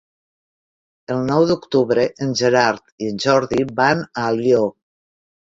El nou d'octubre en Gerard i en Jordi van a Alió.